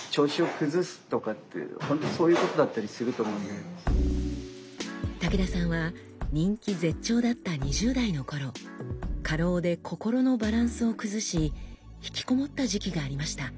でも何か武田さんは人気絶頂だった２０代の頃過労で心のバランスを崩し引きこもった時期がありました。